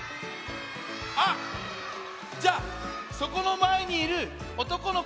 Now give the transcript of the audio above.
あっじゃあそこのまえにいるおとこのこ。